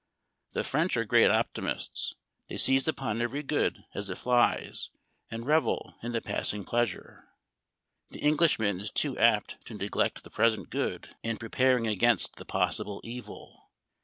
" The French are great optimists ; they seize upon every good as it flies, and revel in the passing pleasure. The Englishman is too apt to neglect the present good in preparing against the possible evil.